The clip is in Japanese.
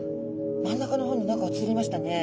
真ん中の方に何か映りましたね。